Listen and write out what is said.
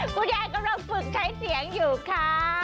คุณยายกำลังฝึกใช้เสียงอยู่ค่ะ